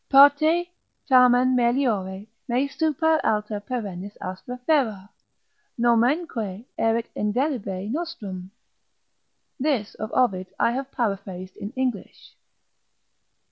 parte tamen meliore mei super alta perennis astra ferar, nomenque erit indelebile nostrum. (This of Ovid I have paraphrased in English.)